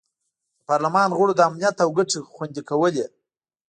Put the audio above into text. د پارلمان غړو د امنیت او ګټې خوندي کولې.